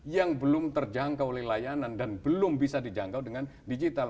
yang belum terjangkau oleh layanan dan belum bisa dijangkau dengan digital